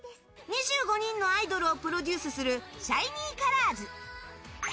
２５人のアイドルをプロデュースする「シャイニーカラーズ」。